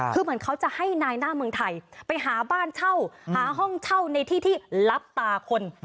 คือเหมือนเขาจะให้นายหน้าเมืองไทยไปหาบ้านเช่าหาห้องเช่าในที่ที่รับตาคน